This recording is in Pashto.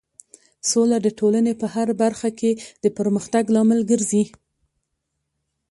سوله د ټولنې په هر برخه کې د پرمختګ لامل ګرځي.